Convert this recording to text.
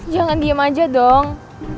jangan diam aja dong